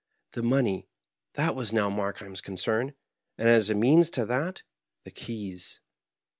The money, that was now Markheim's concern ; and as a means to that, the keys.